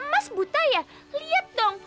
mas buta ya lihat dong